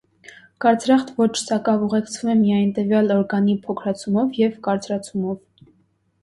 Կարծրախտ ոչ սակավ ուղեկցվում է միայն տվյալ օրգանի փոքրացումով և կարծրացումով։